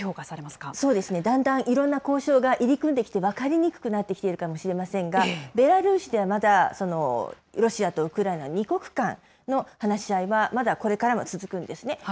だんだんいろんな交渉が入り組んできて分かりにくくなってきているかもしれませんが、ベラルーシではまだ、ロシアとウクライナ２国間の話し合いは、まだこれからも続くんですね。